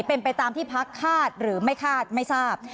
เป็นไปตามที่พักคาดหรือไม่คาดไม่ทราบ